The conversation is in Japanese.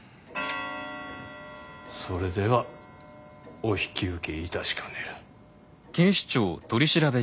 それではお引き受けいたしかねる。